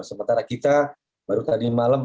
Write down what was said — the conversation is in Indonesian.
sementara kita baru tadi malam